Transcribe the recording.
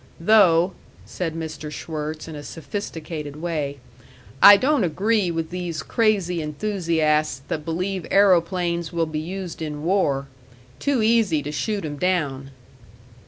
"Though," said Mr. Schwirtz, in a sophisticated way, "I don't agree with these crazy enthusiasts that believe aeroplanes will be used in war. Too easy to shoot 'em down."